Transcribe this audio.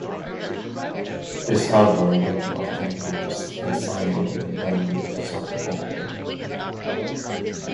This album led ultimately to the signing of the band with Sub Pop.